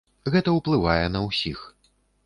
Гэта ўплывае на ўсіх.